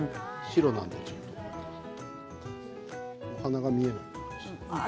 白なのでちょっとお花が見えない。